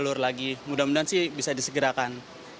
jalur lagi mudah mudahan sih bisa disegerakan